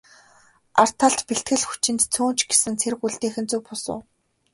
Ар талд бэлтгэл хүчинд цөөн ч гэсэн цэрэг үлдээх нь зөв бус уу?